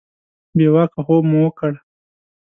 بې واکه خوب مو وکړ.